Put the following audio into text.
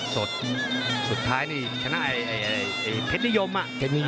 สดสุดท้ายนี่ชนะไอ้ไอ้ไอ้ไอ้เพชรนิยมอ่ะ